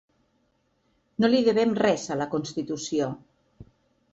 No li devem res a la constitució!